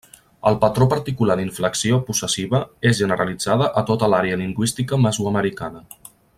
El patró particular d'inflexió possessiva és generalitzada a tota l'àrea lingüística mesoamericana.